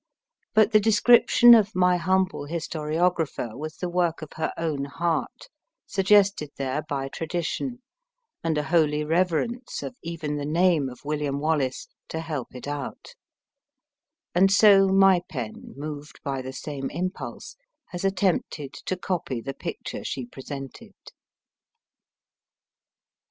But the description of my humble historiographer was the work of her own heart, suggested there by tradition, and a holy reverence of even the name of William Wallace to help it out; and so my pen, moved by the same impulse, has attempted to copy the picture she presented.